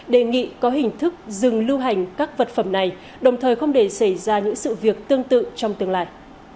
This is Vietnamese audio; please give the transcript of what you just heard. đề nghị có hình thức dừng lưu hành các vật phẩm này đồng thời không để xảy ra những sự việc tương tự trong tương lai